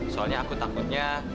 soalnya aku takutnya